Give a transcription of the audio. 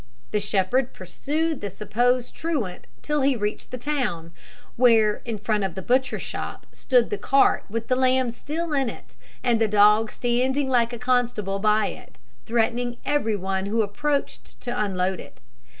The shepherd pursued the supposed truant till he reached the town, where in front of the butcher's shop stood the cart with the lambs still in it, and the dog standing like a constable by it, threatening every one who approached to unload it.